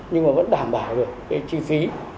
nhưng mà vẫn đảm bảo được cái chi phí